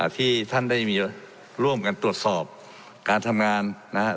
ที่ท่านได้มีร่วมกันตรวจสอบการทำงานนะครับ